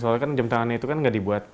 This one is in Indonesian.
soalnya kan jam tangannya itu kan nggak dibuat